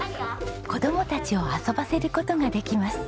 子供たちを遊ばせる事ができます。